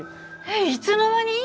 えっいつの間に！？